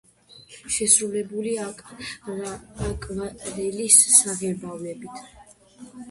შესრულებული აკვარელის საღებავებით.